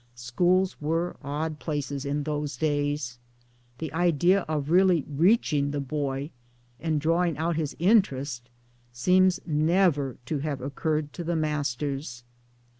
Schools were odd places in those days. The idea of really reaching the boy and drawing out his in terest seems never to have occurred to the masters.